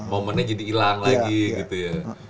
momennya jadi hilang lagi gitu ya